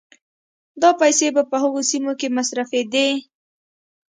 دا پيسې به په هغو سيمو کې مصرفېدې